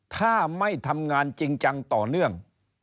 ถ้าไม่ทำงานจริงจังต่อเนื่อง